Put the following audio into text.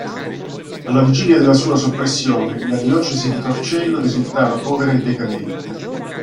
Alla vigilia della sua soppressione, la diocesi di Torcello risultava povera e decadente.